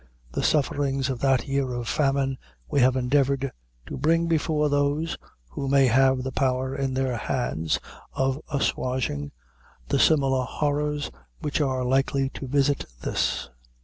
The sufferings of that year of famine we have endeavored to bring before those who may have the power in their hands of assuaging the similar horrors which are likely to visit this.